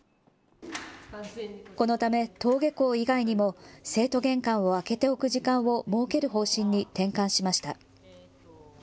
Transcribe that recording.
このため登下校以外にも生徒玄関を開けておく時間を設ける方針に転換しました。